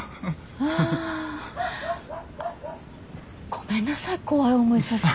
ごめんなさい怖い思いさせて。